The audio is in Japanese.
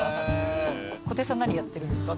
小手さん何やってるんですか？